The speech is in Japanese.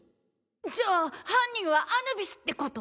じゃあ犯人はアヌビスってこと！？